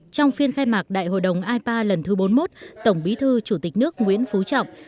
trong phiên khai mạc đại hội đồng ipa lần thứ bốn mươi một tổng bí thư chủ tịch nước nguyễn phú trọng